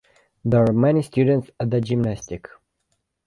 There are many students at the gymnastic.